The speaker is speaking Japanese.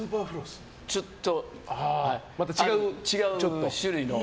ちょっと違う種類の。